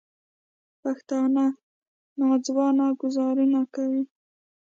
پښتانه نا ځوانه ګوزار کوي